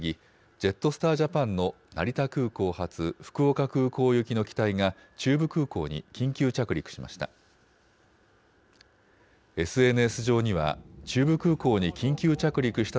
ジェットスター・ジャパンの成田空港発、福岡空港行きの機体が中部空港に緊急着陸しました。